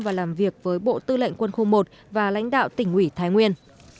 và làm việc với bộ tư lệnh quân khu một và lãnh đạo tỉnh ủy thái nguyên